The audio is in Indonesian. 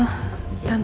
tante mau tanya